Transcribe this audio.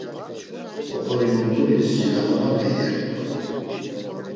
Oxorimondunis celexunape iyert̆u.